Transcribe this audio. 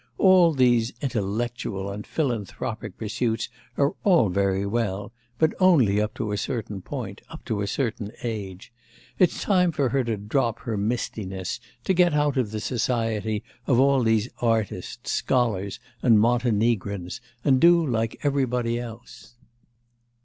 All these intellectual and philanthropic pursuits are all very well, but only up to a certain point, up to a certain age. It's time for her to drop her mistiness, to get out of the society of all these artists, scholars, and Montenegrins, and do like everybody else.